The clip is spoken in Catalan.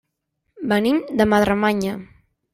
Venim de Madremanya.